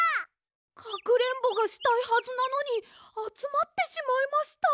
かくれんぼがしたいはずなのにあつまってしまいました。